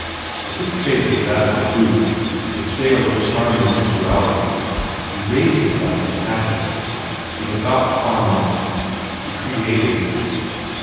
If his trade was that of the booth, the sale of charming sensualities, he raised it by his passion. He begot fondness. He cre ated.